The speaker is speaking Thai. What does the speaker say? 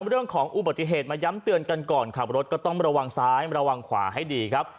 เรื่องของอุบัติเหตุมาย้ำเตือนกันก่อนขับรถก็ต้องระวังซ้ายระวังขวาให้ดีครับ